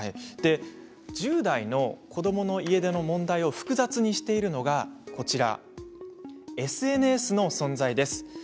１０代の子どもの家出の問題を複雑にしているのがＳＮＳの存在です。